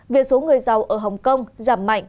việc số người giàu ở hồng kông giảm mạnh